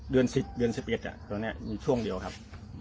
เดือนสิบเดือนสิบเอ็ดอ่ะตัวเนี้ยมีช่วงเดียวครับ